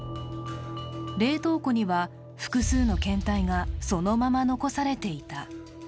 冷凍庫には、複数の検体がそのまま残されていた。